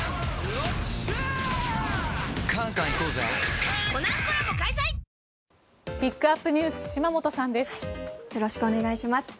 よろしくお願いします。